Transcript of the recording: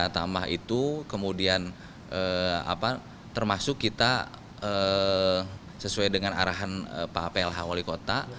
sampah itu kemudian termasuk kita sesuai dengan arahan pak ap lh wali kota